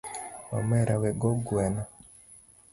Omera wego gueno